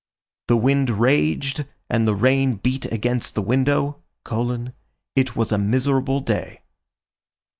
The wind raged, and the rain beat against the window: it was a miserable day.